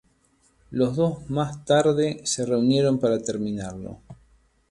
Los dos más tarde se reunieron para terminarlo.